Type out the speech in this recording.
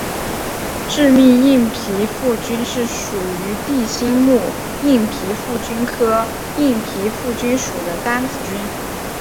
致密硬皮腹菌是属于地星目硬皮腹菌科硬皮腹菌属的一种担子菌。